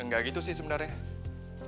enggak gitu sih sebenarnya